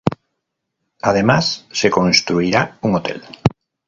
Además, se construirá un hotel.